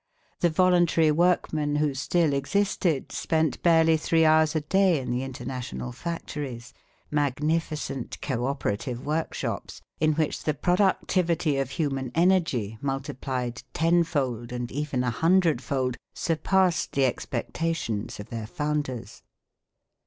The voluntary workmen, who still existed, spent barely three hours a day in the international factories, magnificent co operative workshops, in which the productivity of human energy, multiplied tenfold, and even a hundredfold, surpassed the expectations of their founders.